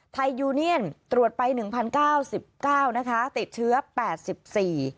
ไทยยูเนียนมาตรวจไป๑๙๙๙รายติดเชื้อ๘๔วิทยาลัย